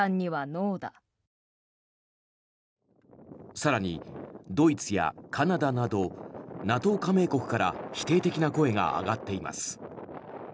更にドイツやカナダなどＮＡＴＯ加盟国から否定的な声が上がっています。